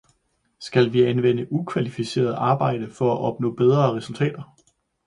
Skal vi anvende ukvalificerede arbejdere for at opnå bedre resultater?